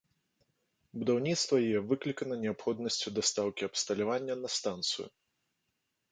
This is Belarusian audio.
Будаўніцтва яе выклікана неабходнасцю дастаўкі абсталявання на станцыю.